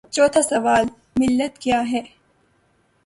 چوتھا سوال: ملت کیاہے؟